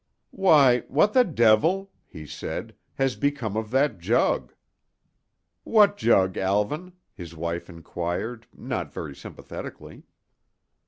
"Why!—what the devil," he said, "has become of that jug?" "What jug, Alvan?" his wife inquired, not very sympathetically.